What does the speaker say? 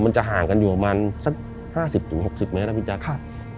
มันจะห่างกันอยู่ประมาณสัก๕๐๖๐เมตรนะพี่แจ๊ค